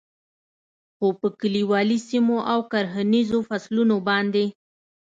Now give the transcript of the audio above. خو په کلیوالي سیمو او کرهنیزو فصلونو باندې